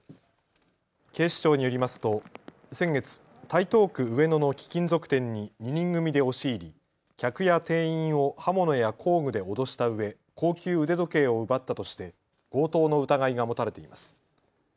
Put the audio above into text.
警視庁によりますと先月、台東区上野の貴金属店に２人組で押し入り客や店員を刃物や工具で脅したうえ高級腕時計を奪ったとして強盗の疑いが持たれています。